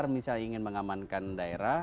misalnya ingin mengamankan daerah